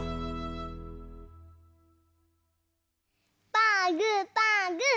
パーグーパーグー。